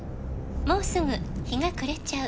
「もうすぐ日が暮れちゃう」